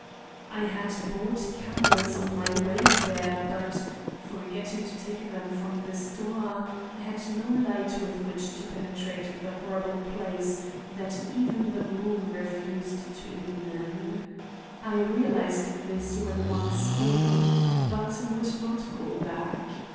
"I had bought candles on my way there but, forgetting to take them from the store, I had no light with which to penetrate the horrible place that even the moon refused to illumine. I realized this when once in, but would not go back.